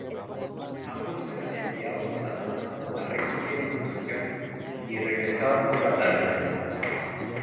Ambos eran enviados al alba a recoger información y regresaban por la tarde.